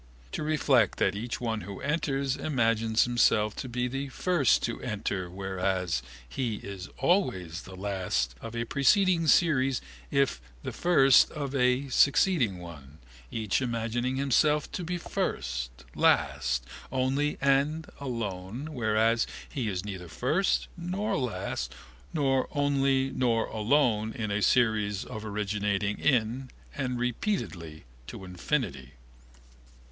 To reflect that each one who enters imagines himself to be the first to enter whereas he is always the last term of a preceding series even if the first term of a succeeding one, each imagining himself to be first, last, only and alone whereas he is neither first nor last nor only nor alone in a series originating in and repeated to infinity.